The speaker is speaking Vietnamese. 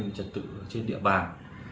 an ninh trật tự trên địa bàn